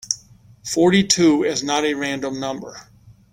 Forty-two is not a random number.